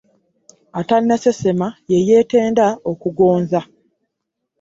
Atanasesema ye yetenda okugonza .